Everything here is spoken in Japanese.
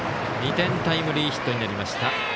２点タイムリーヒットになりました。